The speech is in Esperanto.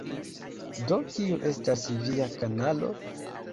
Do kiu estas via kanalo?